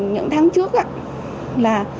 những tháng trước á